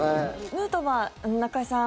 ヌートバー、中居さん